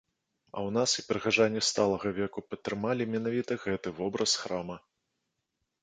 А ў нас і прыхаджане сталага веку падтрымалі менавіта гэты вобраз храма.